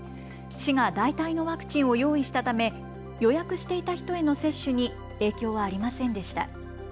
市が代替のワクチンを用意したため予約していた人への接種に影響はありませんでした。